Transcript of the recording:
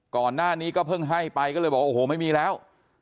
ก่อนหน้านี้ก็เพิ่งให้ไปก็เลยบอกโอ้โหไม่มีแล้ว